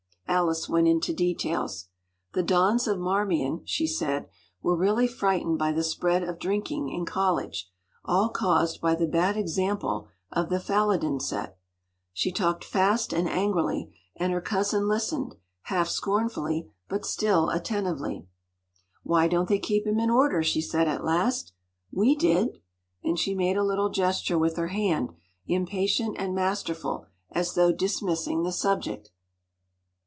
Alice went into details. The dons of Marmion, she said, were really frightened by the spread of drinking in college, all caused by the bad example of the Falloden set. She talked fast and angrily, and her cousin listened, half scornfully, but still attentively. “Why don’t they keep him in order?” she said at last. “We did!” And she made a little gesture with her hand, impatient and masterful, as though dismissing the subject.